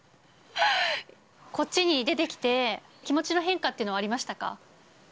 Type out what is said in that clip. こっちに出てきて、気持ちの変化っていうのはありましたか？